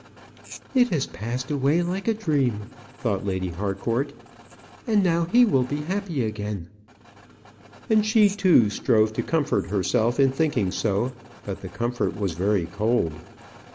It has passed away like a dream, thought Lady Harcourt; and now he will be happy again. And she, too, strove to comfort herself in thinking so; but the comfort was very cold.